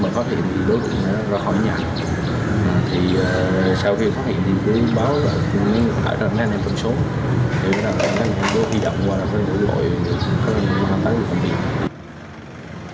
thế là anh em tôi đi đậm qua rồi rồi gọi người xin khởi những tham tác của công ty